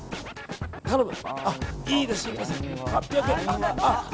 頼む。